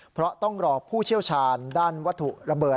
เพราะต้องรอผู้เชี่ยวชาญด้านวัตถุระเบิด